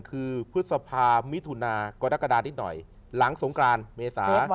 คือพฤษภามิถุนากรกฎานิดหน่อยหลังสงกรานเมษา